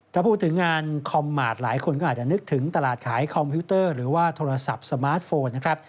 ถ้าพูดถึงงานคอมมาตรหลายคนก็อาจจะนึกถึงตลาดขายคอมพิวเตอร์หรือว่าโทรศัพท์สมาร์ทโฟนนะครับ